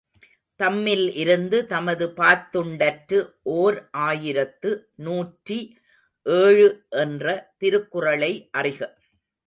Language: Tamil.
தம்மில் இருந்து தமதுபாத் துண்டற்று ஓர் ஆயிரத்து நூற்றி ஏழு என்ற திருக்குறளை அறிக.